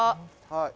はい。